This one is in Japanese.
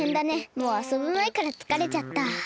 もうあそぶまえからつかれちゃった。